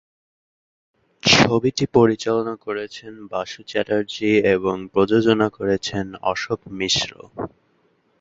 ছবিটি পরিচালনা করেছেন বাসু চ্যাটার্জী এবং প্রযোজনা করেছেন অশোক মিশ্র।